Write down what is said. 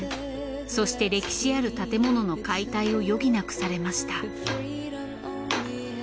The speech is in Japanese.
そして歴史ある建物の解体を余儀なくされました。